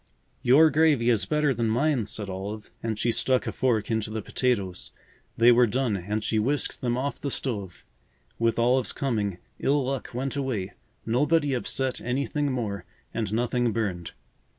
"Your gravy is better than mine," said Olive and she stuck a fork into the potatoes. They were done and she whisked them off the stove. With Olive's coming, ill luck went away. Nobody upset anything more, and nothing burned.